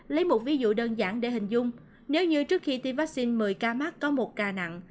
lấy một ví dụ đơn giản để hình dung nếu như trước khi tiêm vaccine một mươi ca mắc có một ca nặng